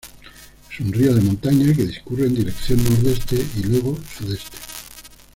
Es un río de montaña que discurre en dirección nordeste y luego sudeste.